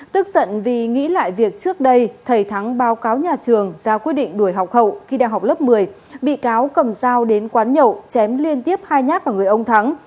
tức giận vì nghĩ lại việc trước đây thầy thắng báo cáo nhà trường ra quyết định đuổi học hậu khi đang học lớp một mươi bị cáo cầm dao đến quán nhậu chém liên tiếp hai nhát vào người ông thắng